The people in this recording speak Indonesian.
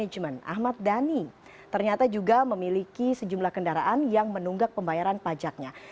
manajemen ahmad dhani ternyata juga memiliki sejumlah kendaraan yang menunggak pembayaran pajaknya